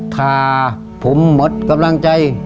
ถ้าผมหมดกำลังใจ